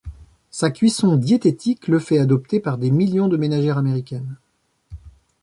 Sa cuisson diététique le fait adopter par des millions de ménagères américaines.